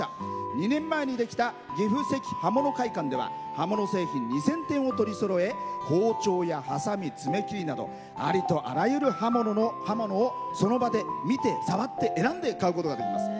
２年前にできた岐阜関刃物会館では刃物製品２０００点を取りそろえ包丁やハサミ、爪切りなどありとあらゆる刃物をその場で見て触って選んで買うことができます。